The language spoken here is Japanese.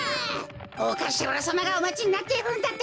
おかしらさまがおまちになっているんだってか！